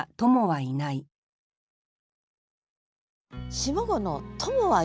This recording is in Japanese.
下五の「友はいない」。